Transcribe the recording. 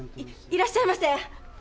いいらっしゃいませ。